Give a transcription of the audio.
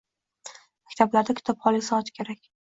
Maktablarda kitobxonlik soati kerak.